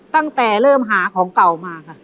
ตั้งแต่เริ่มหาของเก่ามาค่ะ